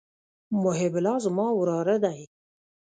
محب الله زما وراره دئ.